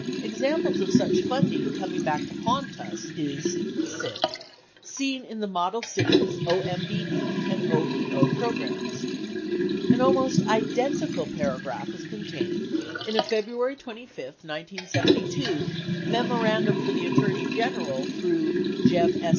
Examples of such funding coming back to haunt us is seen in the Model Cities, OMBE, and OEO programs. An almost identical paragraph is contained in a February 25, 1972, "Memorandum for the Attorney General Through : Jeb S.